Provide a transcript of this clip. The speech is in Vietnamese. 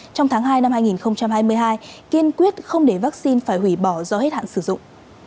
trong tháng hai năm hai nghìn hai mươi hai kiên quyết không để vaccine phải hủy bỏ do hết hạn sử dụng